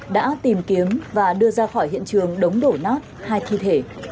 đã tìm kiếm và đưa ra khỏi hiện trường đống đổ nát hai thi thể